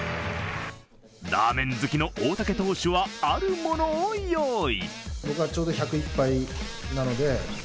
ラーメン好きの大竹投手はあるものを用意。